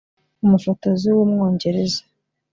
umufotozi w’umwongereza